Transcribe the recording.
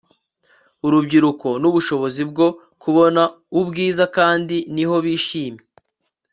urubyiruko nubushobozi bwo kubona ubwiza kandi niho bishimye